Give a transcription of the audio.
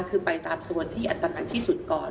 คือไปตามโซนที่อันตรายที่สุดก่อน